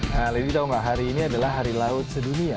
nah lady tau gak hari ini adalah hari laut sedunia